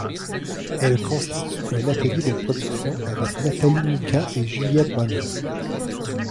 Elle constitue un atelier de production avec Nathalie Micas et Juliette Bonheur.